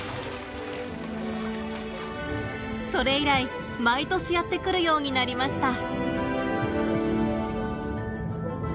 それ以来毎年やって来るようになりました。